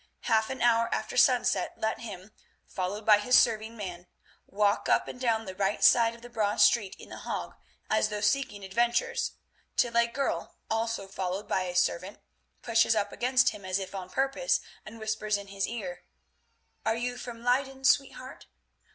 Half an hour after sunset let him, followed by his serving man, walk up and down the right side of the Broad Street in The Hague, as though seeking adventures, till a girl, also followed by a servant, pushes up against him as if on purpose, and whispers in his ear, 'Are you from Leyden, sweetheart?